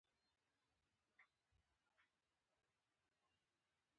زه د تاریخي لیکونو کاپي اخلم.